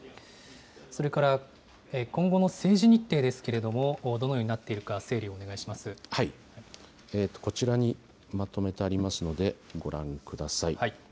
それから、今後の政治日程ですけれども、どのようになっていこちらにまとめてありますので、ご覧ください。